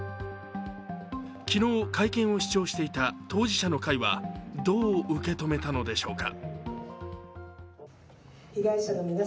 昨日、会見を視聴していた当事者の会はどう受け止めたのでしょうか。